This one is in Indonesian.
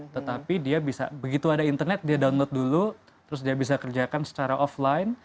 tetapi dia bisa begitu ada internet dia download dulu terus dia bisa kerjakan secara offline